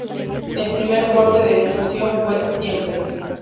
El primer corte de difusión fue "Siempre".